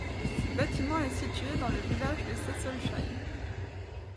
Ce bâtiment est situé dans le village de Saessolsheim.